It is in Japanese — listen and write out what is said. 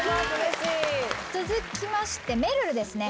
続きましてめるるですね